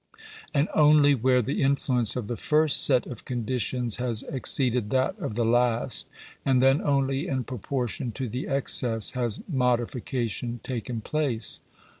And only where the influence of the first set of ; conditions has exceeded that of the last, and then only in pro j portion to the excess, has modification taken place.